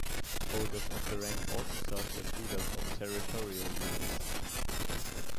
Holders of the rank also served as leaders of territorial units.